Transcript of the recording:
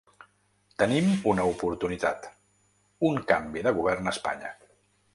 Tenim una oportunitat: un canvi de govern a Espanya.